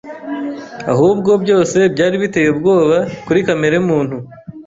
ahubwo byose byari biteye ubwoba kuri kamere muntu